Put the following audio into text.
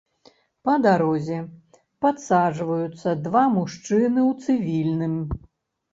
Па дарозе падсаджваюцца два мужчыны ў цывільным.